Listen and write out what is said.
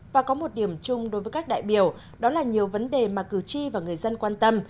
và có một điểm chung đối với các đại biểu đó là nhiều vấn đề mà cử tri và người dân quan tâm